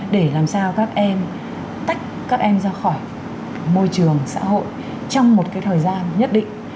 để làm sao các em tách các em ra khỏi môi trường xã hội trong một cái thời gian nhất định